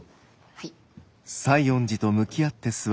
はい。